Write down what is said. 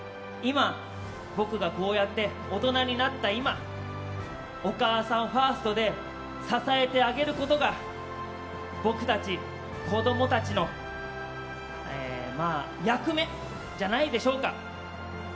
僕がこうやって大人になった今お母さんファーストで支えてあげることが僕たち子供たちの役目じゃないでしょうか。